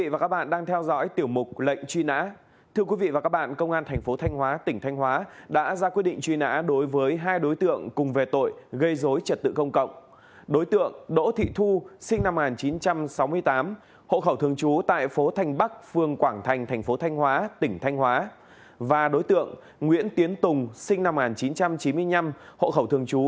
và đối tượng nguyễn tiến tùng sinh năm một nghìn chín trăm chín mươi năm hộ khẩu thường trú